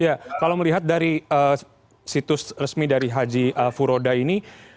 ya kalau melihat dari situs resmi dari haji furoda ini